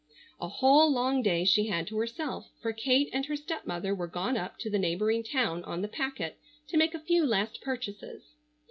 A whole long day she had to herself, for Kate and her stepmother were gone up to the neighboring town on the packet to make a few last purchases.